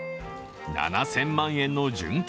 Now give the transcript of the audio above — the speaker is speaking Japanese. ７０００万円の純金